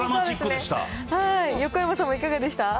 横山さんもいかがでした？